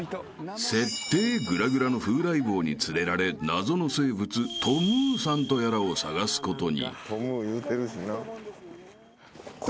［設定グラグラの風来坊に連れられ謎の生物トムーさんとやらを探すことに］